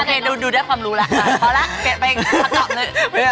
รู้จักไหม